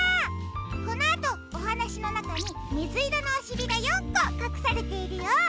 このあとおはなしのなかにみずいろのおしりが４こかくされているよ。